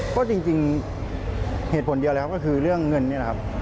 ก็จริงเหตุผลเดียวแล้วก็คือเรื่องเงินนี่แหละครับ